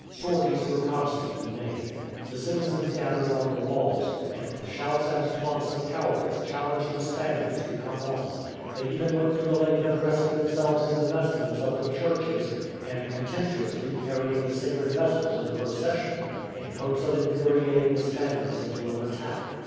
Sorties were constantly made. The citizens gathered on the walls, and with shouts and taunts of cowardice challenged the Spaniards to come on; they even went to the length of dressing themselves in the vestments of the churches, and contemptuously carrying the sacred vessels in procession, in hopes of infuriating the Spaniards into an attack.